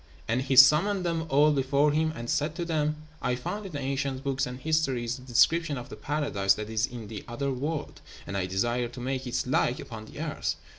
And he summoned them all before him, and said to them, "I find in the ancient books and histories the description of the paradise that is in the other world, and I desire to make its like upon the earth.